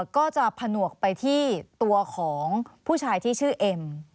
ก็จะผนวกไปที่ตัวของผู้ชายที่ชื่อเอ็ม